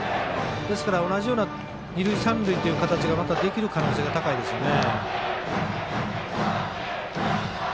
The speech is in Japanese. ですから、同じような二塁三塁っていう形がまたできる可能性が高いですよね。